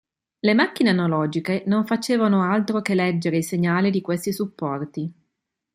Le macchine analogiche non facevano altro che leggere i segnali di questi supporti.